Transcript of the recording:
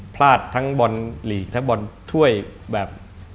พลาดทั้งบอลลีกทั้งบอลช่วยแบบ